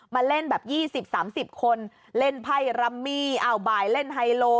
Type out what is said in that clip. มาเล่นแบบ๒๐๓๐คนเล่นไพ่รัมมี่เอาบ่ายเล่นไฮโล